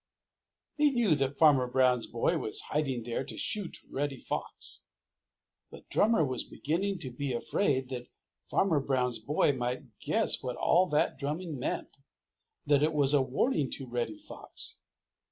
He knew that Farmer Brown's boy was hiding there to shoot Reddy Fox, but Drummer was beginning to be afraid that Farmer Brown's boy might guess what all that drumming meant that it was a warning to Reddy Fox.